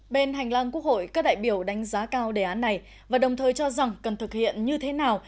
bên hành lang quốc hội các đại biểu đánh giá cao đề án này và đồng thời cho rằng cần thực hiện như thế nào